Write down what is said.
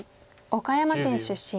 岡山県出身。